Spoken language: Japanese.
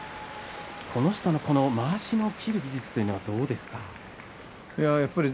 この人の、まわしを切る技術はどうですか？